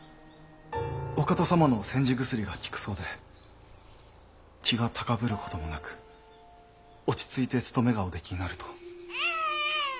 お方様の煎じ薬が効くそうで気が高ぶることもなく落ち着いて務めがおできになると。